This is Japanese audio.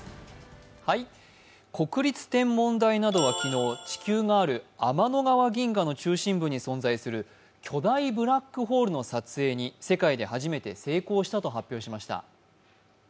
国立天文台などは昨日、地球がある天の川銀河の中心部に存在する巨大ブラックホールの撮影に世界で初めて成功したと発表しました。